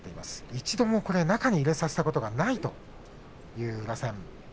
一度も中に入れさせたことがないという取組です。